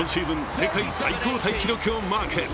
世界最高タイ記録をマーク。